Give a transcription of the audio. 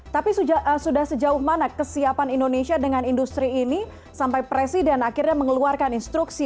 tapi sudah sejauh mana kesiapan indonesia dengan industri ini sampai presiden akhirnya mengeluarkan instruksi